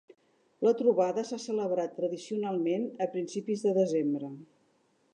La trobada s'ha celebrat tradicionalment a principis de desembre.